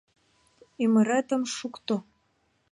Ӱмыретым шукто...